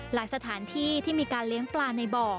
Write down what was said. สถานที่ที่มีการเลี้ยงปลาในบ่อ